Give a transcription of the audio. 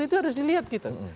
itu harus dilihat gitu